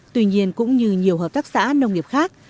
tuy nhiên cũng như nhiều hợp tác xã nông nghiệp khác